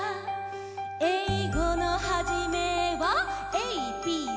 「えいごのはじめはＡＢＣ」